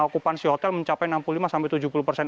okupansi hotel mencapai enam puluh lima sampai tujuh puluh persen